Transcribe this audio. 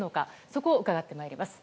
そこを伺ってまいります。